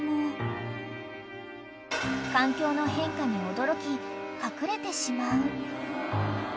［環境の変化に驚き隠れてしまう］